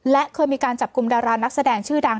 และเคยมีการจับกลุ่มดารานักแสดงชื่อดัง